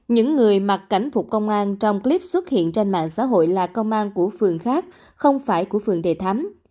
những người mặc cảnh phục công an trong clip xuất hiện trên mạng xã hội là công an của phường khác không phải của phường đề thấm